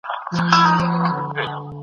په پسرلي کې شاړې دښتې هم شنه کېږي.